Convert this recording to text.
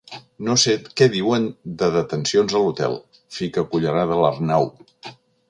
No sé què diuen de detencions a l'hotel —fica cullerada l'Arnau.